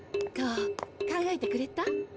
どう？考えてくれた？